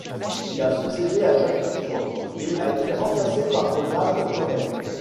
Il a succédé à Jacques Courtois et a été remplacé par Ronald Corey.